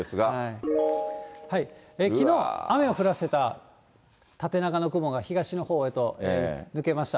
きのう、雨を降らせた縦長の雲が東のほうへと抜けました。